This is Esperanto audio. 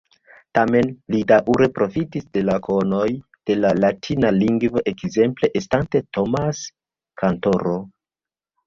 Tamen li daŭre profitis de la konoj de la latina lingvo ekzemple estante Thomas-kantoro.